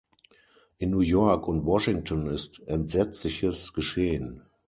In New York und Washington ist Entsetzliches geschehen.